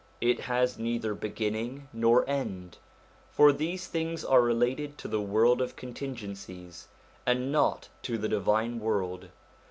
It has neither beginning nor end, for these things are related to the world of contingencies, and not to the divine world.